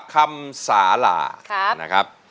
คำสาหร่านะครับ